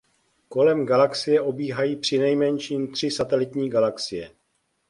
Kolem galaxie obíhají přinejmenším tři satelitní galaxie.